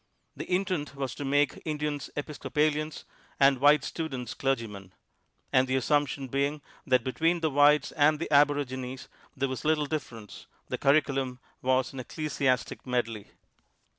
The intent was to make Indians Episcopalians, and white students clergymen; and the assumption being that between the whites and the aborigines there was little difference, the curriculum was an ecclesiastic medley.